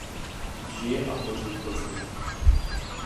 Žije a tvoří v Plzni.